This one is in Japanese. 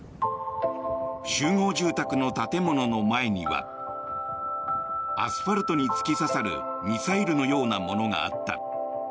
集合住宅の建物の前にはアスファルトに突き刺さるミサイルのようなものがあった。